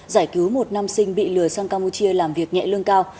giải cứu một nam sinh bị lừa sang campuchia làm việc nhẹ lương cao